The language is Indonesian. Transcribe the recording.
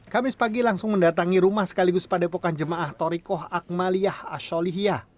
kami sepagi langsung mendatangi rumah sekaligus padepokan jemaah torikoh akmaliyah asholihiyah